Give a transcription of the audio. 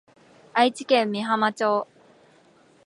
愛知県美浜町